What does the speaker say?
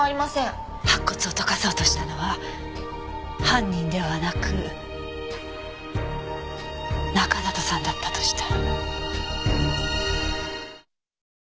白骨を溶かそうとしたのは犯人ではなく中里さんだったとしたら。